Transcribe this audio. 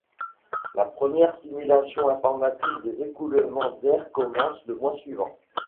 La première simulation informatique des écoulements d'air commence le mois suivant.